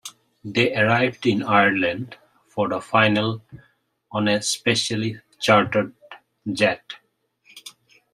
They arrived in Ireland for the final on a specially charted jet.